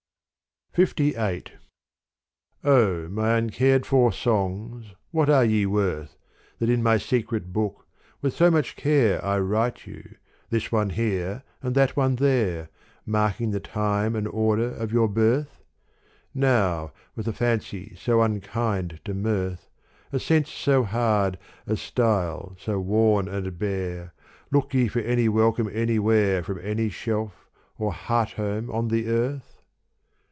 LVIII MY uncared for songs what are ye worth, That in my secret book with so much care 1 write you, this one here and that one there, Marking the time and order of your birth ? Now, with a fancy so unkind to mirth, A sense so hard, a style so worn and bare, Look ye for any welcome anywhere From any shelf or heart home on the earth